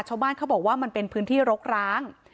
ชาวบ้านเขาบอกว่ามันเป็นพื้นที่รกร้าง